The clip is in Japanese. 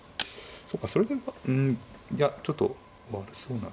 そうかそれでうんいやちょっと悪そうな。